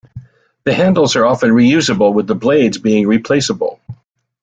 The handles are often reusable, with the blades being replaceable.